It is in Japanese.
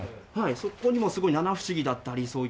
そこにもすごい七不思議だったりそういった。